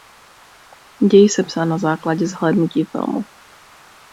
Děj sepsán na základě zhlédnutí filmu.